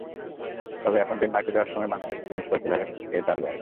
তবে এখন ডেনমার্ক যাওয়ার সময় বাংলাদেশের জিনিসপত্রে ভরা থাকে তাঁর ব্যাগ।